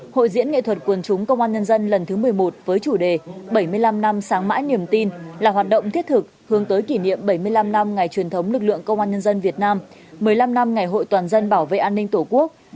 hội diễn nghệ thuật quần chúng công an nhân dân lần thứ một mươi một với chủ đề bảy mươi năm năm sáng mãi niềm tin là hoạt động thiết thực hướng tới kỷ niệm bảy mươi năm năm ngày truyền thống lực lượng công an nhân dân việt nam một mươi năm năm ngày hội toàn dân bảo vệ an ninh tổ quốc